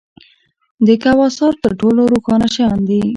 د کواسار تر ټولو روښانه شیان دي.